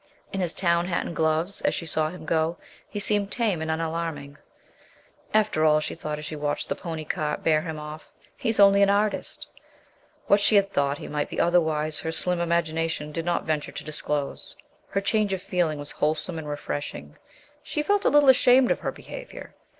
In his town hat and gloves, as she saw him go, he seemed tame and unalarming. "After all," she thought as she watched the pony cart bear him off, "he's only an artist!" What she had thought he might be otherwise her slim imagination did not venture to disclose. Her change of feeling was wholesome and refreshing. She felt a little ashamed of her behavior.